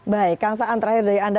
baik kang saan terakhir dari anda